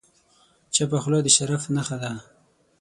چپه خوله، د شرف نښه ده.